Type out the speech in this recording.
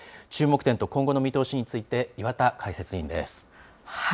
注目点と今後の見通しについて、岩田解説委員です。